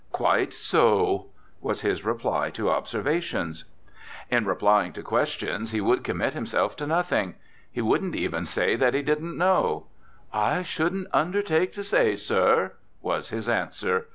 "Quite so," was his reply to observations. In replying to questions he would commit himself to nothing; he wouldn't even say that he didn't know. "I shouldn't undertake to say, sir," was his answer.